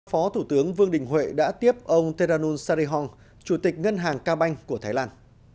phó thủ tướng vương đình huệ đã tiếp ông theranul sarihong chủ tịch ngân hàng ca banh của thái lan